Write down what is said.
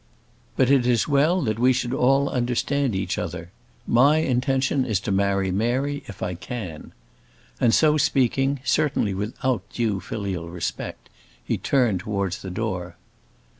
But it is well that we should all understand each other. My intention is to marry Mary if I can." And, so speaking, certainly without due filial respect, he turned towards the door.